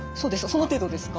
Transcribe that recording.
その程度ですか？